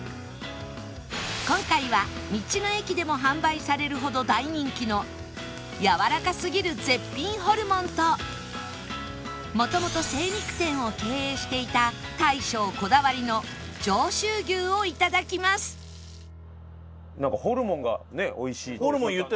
今回は道の駅でも販売されるほど大人気のやわらかすぎる絶品ホルモンともともと精肉店を経営していた大将こだわりの上州牛をいただきますなんかホルモンがおいしいって。